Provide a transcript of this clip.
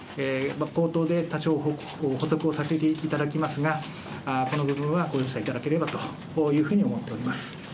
口頭で多少、補足をさせていただきますが、この部分はご容赦いただければというふうに思っております。